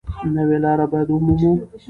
نوې لاره باید ومومو.